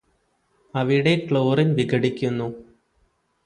അവിടെ ക്ലോറിന് വിഘടിക്കുന്നു